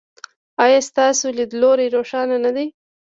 ایا ستاسو لید لوری روښانه نه دی؟